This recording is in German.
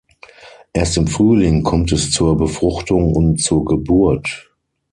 Erst im Frühling kommt es zur Befruchtung und zur Geburt.